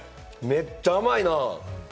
めっちゃ甘いな！